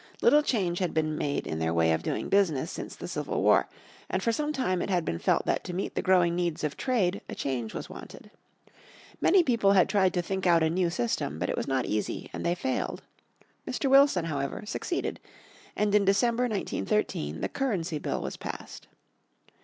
Little change had been made in their way of doing business since the Civil War, and for some time it had been felt that to meet the growing needs of trade a change was wanted. Many people had tried to think out a new system, but it was not easy, and they failed. Mr. Wilson, however, succeeded, and in December, 1913, the Currency Bill was passed.